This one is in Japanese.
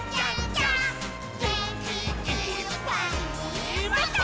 「げんきいっぱいもっと」